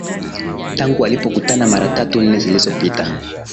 tangu walipokutana mara tatu nne zilizopita